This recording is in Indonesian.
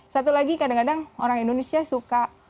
satu lagi kadang kadang orang indonesia suka